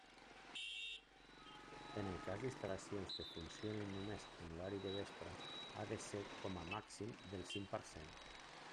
En el cas d'instal·lacions que funcionin només en horari de vespre ha de ser com a màxim del cinc per cent.